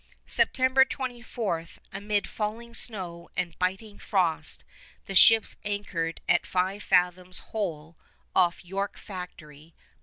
September 24, amid falling snow and biting frost, the ships anchored at Five Fathom Hole off York Factory, Port Nelson.